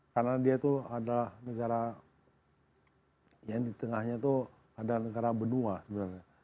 karena dia itu adalah negara yang di tengahnya itu adalah negara benua sebenarnya